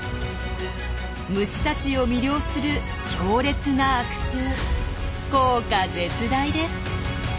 虫たちを魅了する強烈な悪臭効果絶大です。